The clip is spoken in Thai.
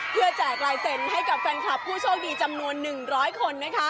เพื่อแจกลายเซ็นต์ให้กับแฟนคลับผู้โชคดีจำนวน๑๐๐คน